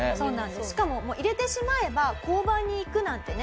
しかももう入れてしまえば交番に行くなんてね